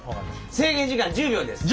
制限時間１０秒です。